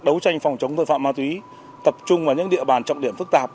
đấu tranh phòng chống tội phạm ma túy tập trung vào những địa bàn trọng điểm phức tạp